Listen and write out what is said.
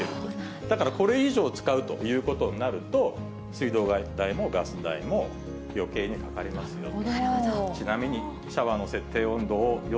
だからこれ以上使うということになると、水道代もガス代もよけいにかかりますよと。